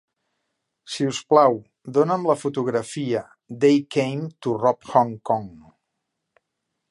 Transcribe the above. Si us plau, dona"m la fotografia They Came to Rob Hong Kong.